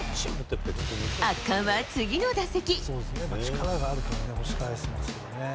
圧巻は次の打席。